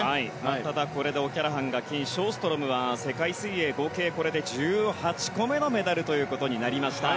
ただ、これでオキャラハンが金ショーストロムは世界水泳、合計１８個目のメダルとなりました。